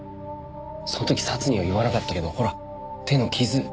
その時サツには言わなかったけどほら手の傷。